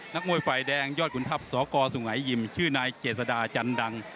นักมวยฝ่ายแดงยอดขุนทัพสกสุงหายิมชื่อนายเจษดาจันดัง